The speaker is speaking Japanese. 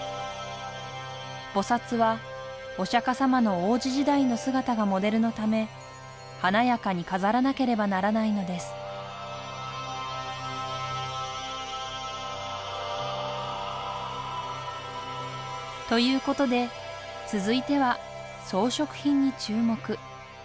菩はお釈様の王子時代の姿がモデル華やかに飾らなければならないのですということで続いては装飾品に注目。